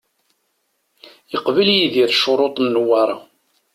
Yeqbel Yidir ccuruṭ n Newwara.